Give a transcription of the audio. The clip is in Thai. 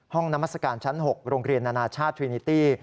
นามัศกาลชั้น๖โรงเรียนนานาชาติทรินิตี้